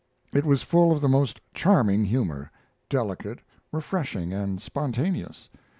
It was full of the most charming humor, delicate, refreshing, and spontaneous.